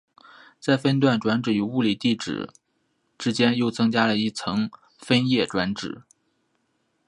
在分段转址与物理地址之间又增加了一层分页转址。